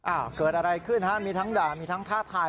อ้าวเกิดอะไรขึ้นฮะมีทั้งด่ามีทั้งท้าทาย